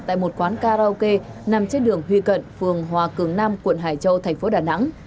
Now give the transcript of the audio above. tại một quán karaoke nằm trên đường huy cận phường hòa cường nam quận hải châu thành phố đà nẵng